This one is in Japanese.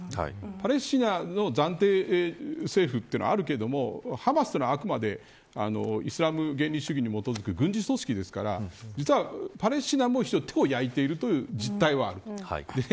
パレスチナの暫定政府はあるけどハマスはあくまでイスラム原理主義に基づく軍事組織ですからパレスチナも手を焼いている実態があります。